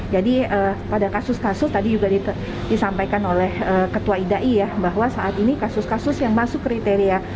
jadi pada kasus kasus tadi juga disampaikan oleh ketua idai ya bahwa saat ini kasus kasus yang masuk kriteria